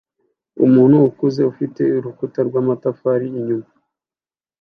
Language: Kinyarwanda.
Umuntu ukuze ufite urukuta rw'amatafari inyuma